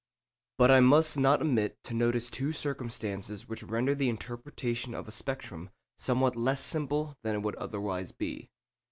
But I must not omit to notice two circumstances which render the interpretation of a spectrum somewhat less simple than it would otherwise be.